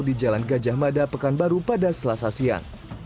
di jalan gajah mada pekanbaru pada selasa siang